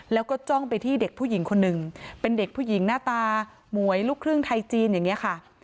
แล้วก็จ้องไปที่เด็กผู้หญิงคนหนึ่งเป็นเด็กผู้หญิงหน้าตาหมวยลูกครึ่งไทยจีนอย่างนี้ค่ะ